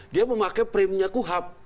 dia memakai primnya kuhap